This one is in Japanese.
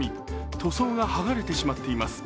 塗装が剥がれてしまっています。